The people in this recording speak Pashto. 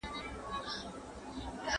¬ بې ما بې شل نه کړې.